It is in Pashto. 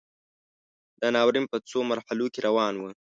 دا ناورین په څو مرحلو کې روان و.